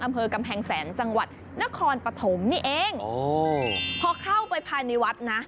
อำเภอกำแพงแสนจังหวัดนครปฐมนี่เองโอ้พอเข้าไปภายในวัดนะ